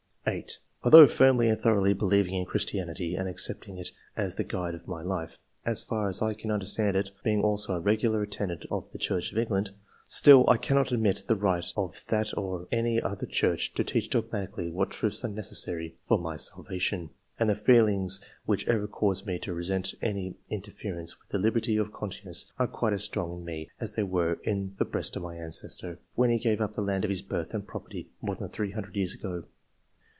8. "Although firmly and thoroughly believing in Christianity, and accepting it as the guide of my life, as far as I can understand it, being also a regular at tendant of the Church of England, still I cannot admit the right of that or any other Church to teach dogmatically what truths are necessary for my salvation ; and the feelings which ever cause me to resent any interference with the Uberty of conscience are quite as strong in me as they were in the breast of my ancestor, when he gave up the land of his birth and property, more than 300 years ago."